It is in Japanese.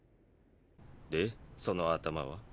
でその頭は？